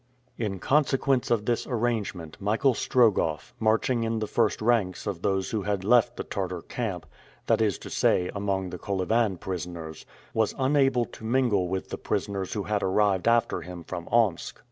In consequence of this arrangement, Michael Strogoff, marching in the first ranks of those who had left the Tartar camp that is to say, among the Kolyvan prisoners was unable to mingle with the prisoners who had arrived after him from Omsk.